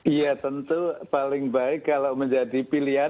iya tentu paling baik kalau menjadi pilihan